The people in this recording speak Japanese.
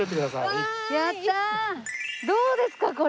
どうですか？